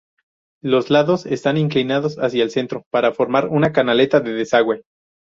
Los lados están inclinados hacia el centro para formar una canaleta de desagüe.